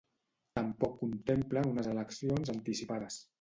Tampoc contemplen unes eleccions anticipades.